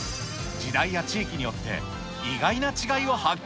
時代や地域によって、意外な違いを発見。